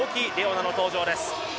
樹の登場です。